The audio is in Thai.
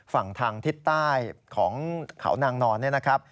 ฝั่งทางทิศใต้ของขาวนางนอน